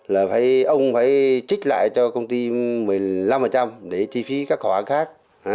là phải ông phải trích lại cho công ty một mươi năm để chi phí các khoản khác